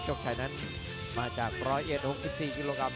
โชคชัยนั้นมาจากร้อยเอ็ด๖๔กิโลกรัม